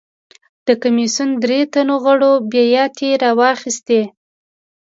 د کمېسیون درې تنو غړو بیاتۍ راواخیستې.